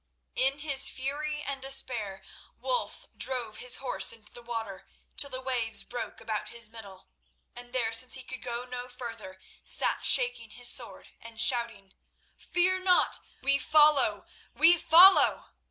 In his fury and despair Wulf drove his horse into the water till the waves broke about his middle, and there, since he could go no further, sat shaking his sword and shouting: "Fear not! We follow! we follow!"